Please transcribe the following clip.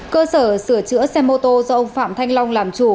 cơ sở sửa chữa xe mô tô do ông phạm thanh long làm chủ